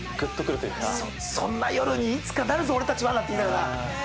そんな夜にいつかなるぞ俺たちは！なんて言いながら。